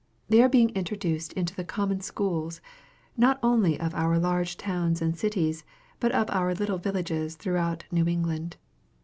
They are being introduced into the common schools, not only of our large towns and cities, but of our little villages throughout New England.